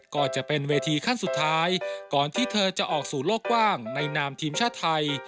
ก็จะเป็นเวทีขั้นสุดท้ายก่อนที่เธอจะออกสู่โลกกว้างในนามทีมชาติไทย